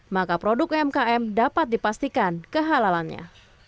maka produk umkm dapat dipastikan kehalalannya